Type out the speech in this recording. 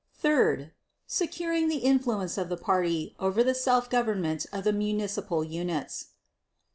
Third—securing the influence of the Party over the self government of the municipal units."